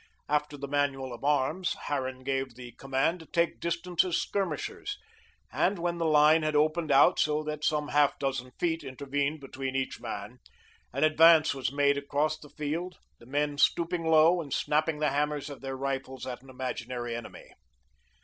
After the manual of arms, Harran gave the command to take distance as skirmishers, and when the line had opened out so that some half dozen feet intervened between each man, an advance was made across the field, the men stooping low and snapping the hammers of their rifles at an imaginary enemy.